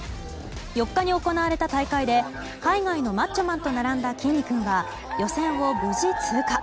４日に行われた大会で海外のマッチョマンと並んだきんに君は予選を無事通過。